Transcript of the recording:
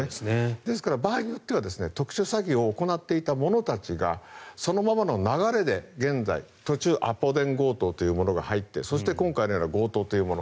ですから場合によっては特殊詐欺を行っていた者たちがそのままの流れで、途中アポ電強盗というものが入ってそして、今回のような強盗というもの。